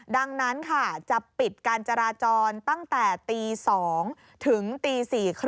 ดังนั้นค่ะจะปิดการจราจรตั้งแต่ตี๒ถึงตี๔๓๐